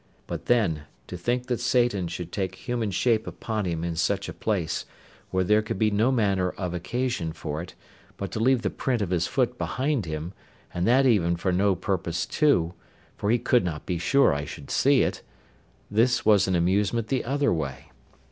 But then, to think that Satan should take human shape upon him in such a place, where there could be no manner of occasion for it, but to leave the print of his foot behind him, and that even for no purpose too, for he could not be sure I should see it—this was an amusement the other way.